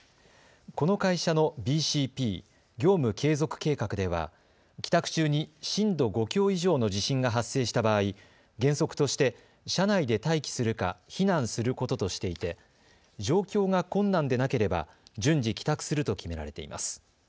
この会社のＢＣＰ・業務継続計画では帰宅中に震度５強以上の地震が発生した場合、原則として、社内で待機するか避難することとしていて状況が困難でなければ順次、帰宅すると決められています。